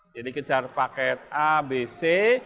jadi kejar paket abc